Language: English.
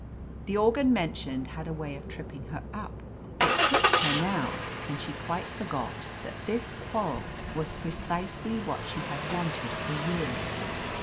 The organ mentioned had a way of tripping her up. It tripped her now, and she quite forgot that this quarrel was precisely what she had wanted for years.